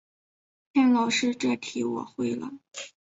骗老师这题我会了